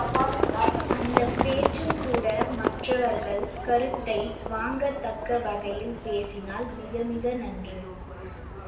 அந்தப் பேச்சும்கூட மற்றவர்கள் கருத்தை வாங்கத்தக்க வகையில் பேசினால் மிகமிக நன்று.